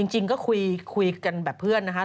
จริงก็คุยกันแบบเพื่อนนะคะ